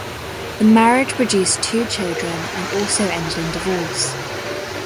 The marriage produced two children, and also ended in divorce.